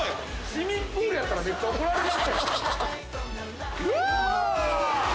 市民プールやったら、めっちゃ怒られますよ。